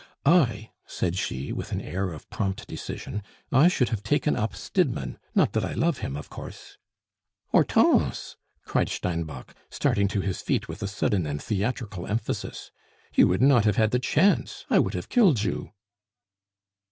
"I," said she, with an air of prompt decision, "I should have taken up Stidmann not that I love him, of course!" "Hortense!" cried Steinbock, starting to his feet with a sudden and theatrical emphasis. "You would not have had the chance I would have killed you!"